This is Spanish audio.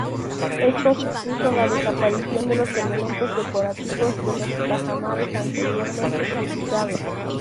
Esto supuso la desaparición de los elementos decorativos de los tajamares anteriormente citados.